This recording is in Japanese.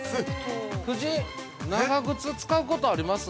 ◆夫人、長靴使うことあります？